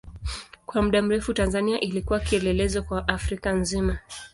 Kwa muda mrefu Tanzania ilikuwa kielelezo kwa Afrika nzima.